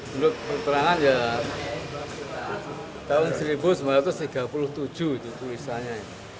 menurut keterangan ya tahun seribu sembilan ratus tiga puluh tujuh itu tulisannya